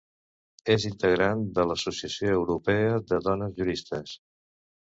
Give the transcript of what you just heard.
És integrant de l'Associació Europea de Dones Juristes.